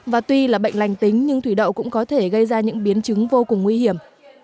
và tuy là bệnh lành tính nhưng thủy đậu cũng có thể gây ra những biến chứng vô cùng nguy hiểm